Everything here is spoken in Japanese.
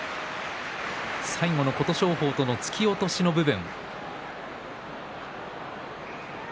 最後の琴勝峰との突き落としの部分。